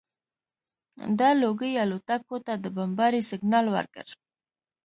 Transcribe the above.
دا لوګي الوتکو ته د بمبارۍ سګنال ورکړ